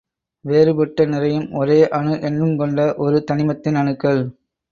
வேறுபட்ட நிறையும் ஒரே அணு எண்ணுங் கொண்ட ஒரு தனிமத்தின் அணுக்கள்.